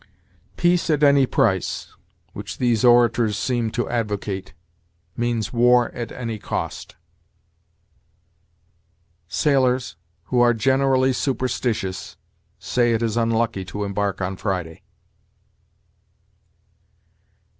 "Peace at any price, which these orators seem to advocate, means war at any cost." "Sailors, who are generally superstitious, say it is unlucky to embark on Friday."